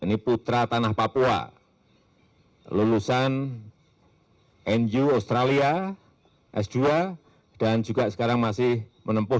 ini putra tanah papua lulusan nu australia s dua dan juga sekarang masih menempuh